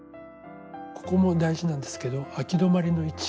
ここも大事なんですけどあき止まりの位置。